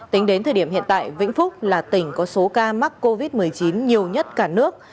tính đến thời điểm hiện tại vĩnh phúc là tỉnh có số ca mắc covid một mươi chín nhiều nhất cả nước